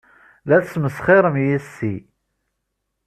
La tesmesxirem yes-i.